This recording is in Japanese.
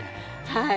はい。